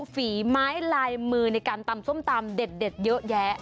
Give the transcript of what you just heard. ฝีไม้ลายมือในการตำส้มตำเด็ดเยอะแยะ